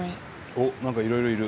おっ何かいろいろいる。